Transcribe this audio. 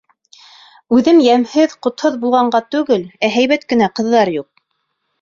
Үҙем йәмһеҙ, ҡотһоҙ булғанға түгел, ә һәйбәт кенә ҡыҙҙар юҡ.